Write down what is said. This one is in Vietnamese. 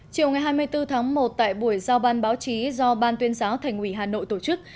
chiều ngày hai mươi bốn tháng một tại buổi giao ban báo chí do ban tuyên giáo thành ủy hà nội tổ chức